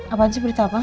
apaan sih berita apa